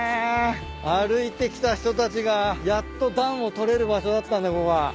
歩いてきた人たちがやっと暖を取れる場所だったんだここが。